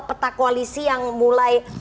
peta koalisi yang mulai